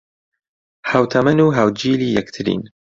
ھاوتەمەن و ھاوجیلی یەکترین